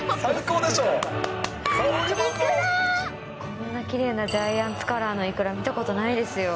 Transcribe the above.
こんなきれいなジャイアンツカラーのイクラ、見たことないですよ。